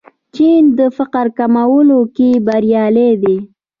چین د فقر کمولو کې بریالی دی.